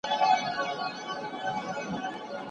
خاوند له ميرمني سره څنګه چلند کاوه؟